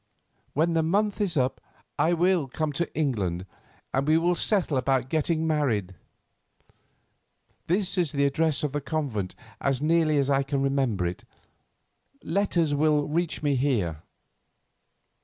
When the month is up I will come to England, and we will settle about getting married. This is the address of the convent as nearly as I can remember it. Letters will reach me there."